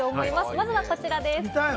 まずはこちらです。